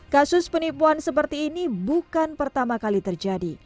kasus penipuan seperti ini bukan pertama kali terjadi